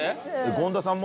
権田さんも？